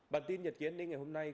bản tin nhật kiến đến ngày hôm nay